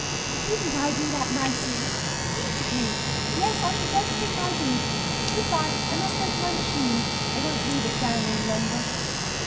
"Didn't I do that nicely?... 'Beautifully?' Yes, I should rather think I did! Good bye; I must go to my machine! They won't leave it down any longer."